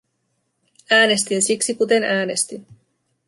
Äänestin siksi kuten äänestin.